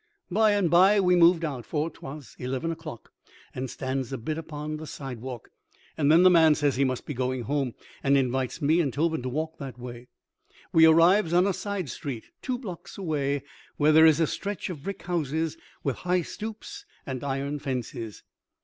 By and by we moved out, for 'twas eleven o'clock, and stands a bit upon the sidewalk. And then the man says he must be going home, and invites me and Tobin to walk that way. We arrives on a side street two blocks away where there is a stretch of brick houses with high stoops and iron fences.